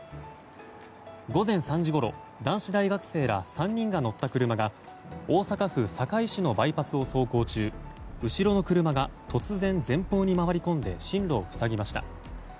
午前３時ごろ男子大学生ら３人が乗った車が大阪府堺市のバイパスを走行中後ろの車が突然前方に回り込んで進路を塞ぎました。